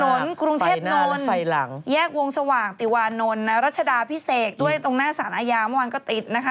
กรุงเทพนนท์แยกวงสว่างติวานนท์นะรัชดาพิเศษด้วยตรงหน้าสารอาญาเมื่อวานก็ติดนะคะ